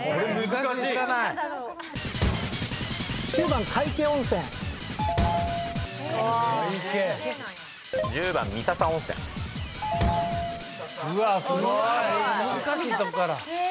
難しいとこから。